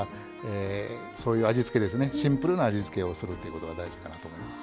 シンプルな味付けをするということが大事かなと思います。